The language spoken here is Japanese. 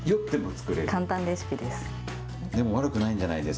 簡単レシピです。